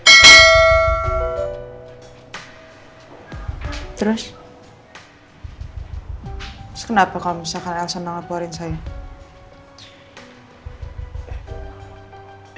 lalu kenapa kalau elsa melaporan ke saya